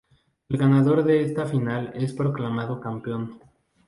El ganador de esta final es proclamado campeón.